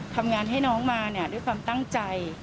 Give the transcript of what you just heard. ทำงานให้น้องมาเนี่ยด้วยความตั้งใจ